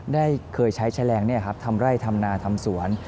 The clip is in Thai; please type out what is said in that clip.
ได้เคยใช้แฉลงทำไร่ทำนาทำสวน